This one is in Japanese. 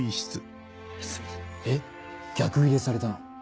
えっ逆ギレされたの？